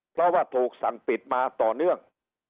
เพราะว่าถูกสั่งปิดมาต่อเนื่อง